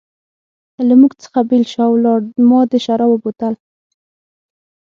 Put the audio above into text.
له موږ څخه بېل شو او ولاړ، ما د شرابو بوتل.